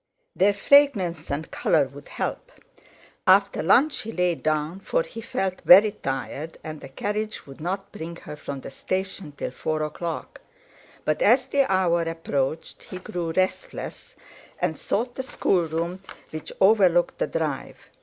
Their fragrance and colour would help. After lunch he lay down, for he felt very tired, and the carriage would not bring her from the station till four o'clock. But as the hour approached he grew restless, and sought the schoolroom, which overlooked the drive.